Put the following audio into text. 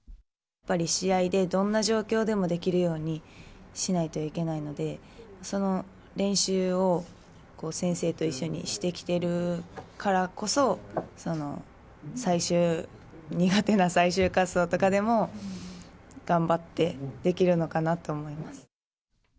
やっぱり試合でどんな状況でもできるようにしないといけないので、その練習を、先生と一緒にしてきているからこそ、最終、苦手な最終滑走とかでも、頑張ってできるのかなって思います。